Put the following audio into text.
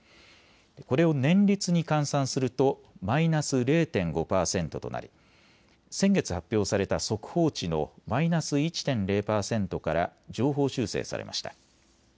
これを年率に換算するとマイナス０．５％となり先月、発表された速報値のマイナス１．０％から上方修正されました。